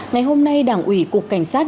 ngày hôm nay đảng ủy cục cảnh sát